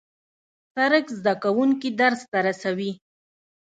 سړک زدهکوونکي درس ته رسوي.